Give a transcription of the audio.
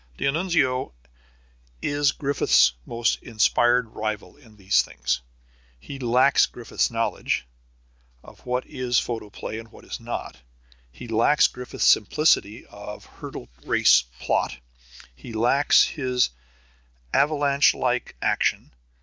D'Annunzio is Griffith's most inspired rival in these things. He lacks Griffith's knowledge of what is photoplay and what is not. He lacks Griffith's simplicity of hurdle race plot. He lacks his avalanche like action.